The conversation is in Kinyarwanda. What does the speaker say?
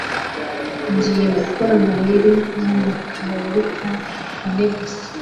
Ngiye gukora amayeri n'amakarita ane gusa.